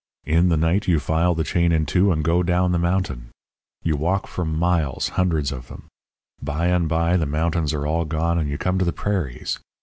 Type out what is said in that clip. In the night you file the chain in two and go down the mountain. You walk for miles hundreds of them. By and by the mountains are all gone, and you come to the prairies.